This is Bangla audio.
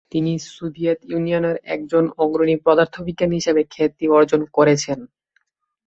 তিনি সোভিয়েত ইউনিয়নের একজন অগ্রণী পদার্থবিজ্ঞানী হিসেবে খ্যাতি অর্জন করেছেন।